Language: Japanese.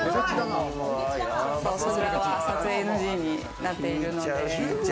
そちらは撮影ＮＧになっているので。